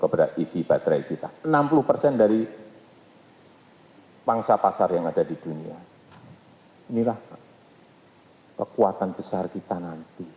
enam puluh persen dari pangsa pasar yang ada di dunia inilah kekuatan besar kita nanti